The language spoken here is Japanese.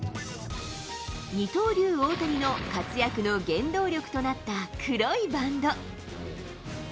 二刀流、大谷の活躍の原動力となった黒いバンド。